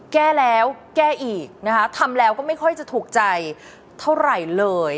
แก้แล้วแก้อีกนะคะทำแล้วก็ไม่ค่อยจะถูกใจเท่าไหร่เลย